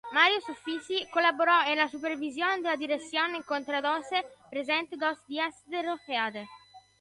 Mario Soffici colaboró en la supervisión de dirección encontrándose presente dos días de rodaje.